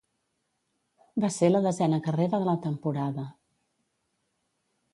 Va ser la desena carrera de la temporada.